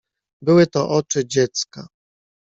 "Były to oczy dziecka."